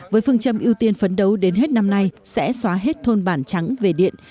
với phương châm ưu tiên phấn đấu đến hết năm nay sẽ xóa hết thôn bản trắng về điện